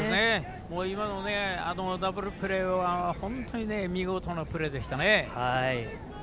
今のダブルプレーは本当に見事なプレーでしたね。